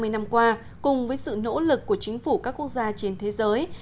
hai mươi năm qua cùng với sự nỗ lực của chính phủ các quốc gia trên thế giới